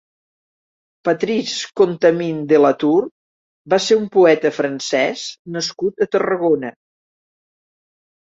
Patrice Contamine de Latour va ser un poeta francès nascut a Tarragona.